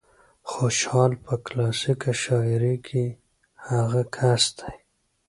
خوشال په کلاسيکه شاعرۍ کې هغه کس دى